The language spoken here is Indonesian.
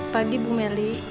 pagi bu melly